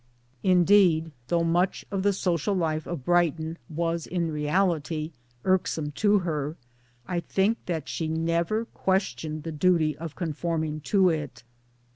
Indeed, though much of r 4'4 MY DAYS AND DREAMS the social life of Brighton was in reality irksome to her, I think that she never questioned the duty of conforming to it.